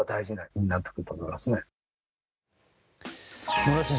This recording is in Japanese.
野村先生。